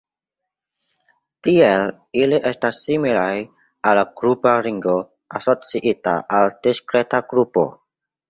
Tiel ili estas similaj al la grupa ringo asociita al diskreta grupo.